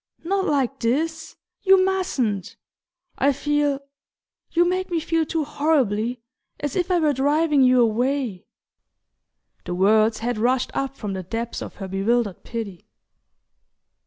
"Not like this you mustn't! I feel you make me feel too horribly: as if I were driving you away..." The words had rushed up from the depths of her bewildered pity.